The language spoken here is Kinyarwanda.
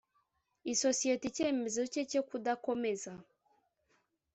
Isosiyete icyemezo cye cyo kudakomeza